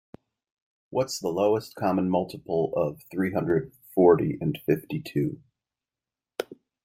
What's the lowest common multiple of three hundred forty and fifty-two?